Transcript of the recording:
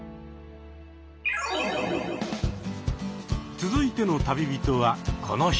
続いての旅人はこの人。